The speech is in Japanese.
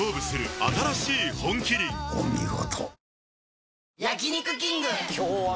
お見事。